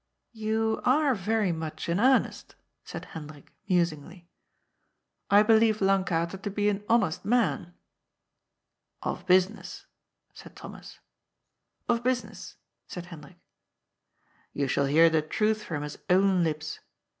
"" You are very much in earnest," said Hendrik musingly. " I believe Lankater to be an honest man." " Of business," said Thomas. " Of business," said Hendrik. " You shall hear the truth from his own lips.